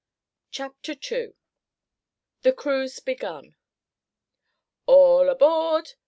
CHAPTER II THE CRUISE BEGUN "All aboard!"